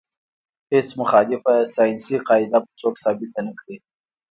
هیڅ مخالفه ساینسي قاعده به څوک ثابته نه کړي.